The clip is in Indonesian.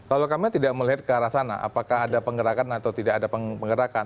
kalau kami tidak melihat ke arah sana apakah ada penggerakan atau tidak ada penggerakan